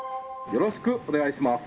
よろしくお願いします。